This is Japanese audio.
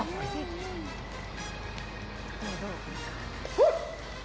うん！